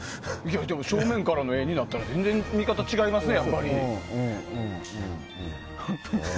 でも、正面からの画になると見方違いますね。